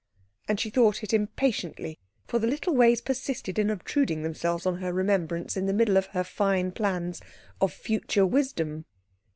And she thought it impatiently, for the little ways persisted in obtruding themselves on her remembrance in the middle of her fine plans of future wisdom.